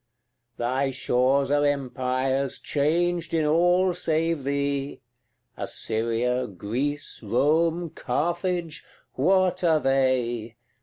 CLXXXII. Thy shores are empires, changed in all save thee Assyria, Greece, Rome, Carthage, what are they?